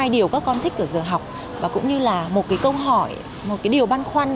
hai điều các con thích ở giờ học và cũng như là một cái câu hỏi một cái điều băn khoăn